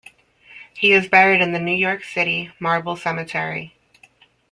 He is buried in the New York City Marble Cemetery.